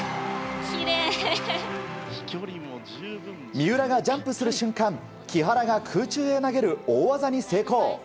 三浦がジャンプする瞬間木原が空中へ投げる大技に成功。